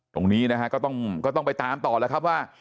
ตรงนี้นะฮะก็ต้องไปตามต่อแล้วครับว่า